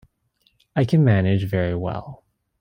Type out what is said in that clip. I can manage very well.